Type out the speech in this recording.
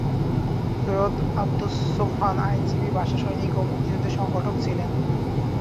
সৈয়দ আবদুস সোবহান আইনজীবী, ভাষা সৈনিক ও মুক্তিযুদ্ধের সংগঠক ছিলেন।